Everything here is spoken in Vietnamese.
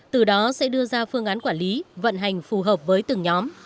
từ đó sẽ đưa ra phương án quản lý vận hành phù hợp với từng nhóm